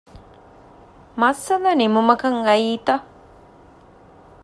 މައްސަލަ ނިމުމަކަށް އައީތަ؟